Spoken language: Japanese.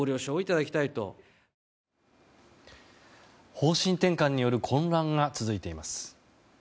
方針転換による混乱が続いています。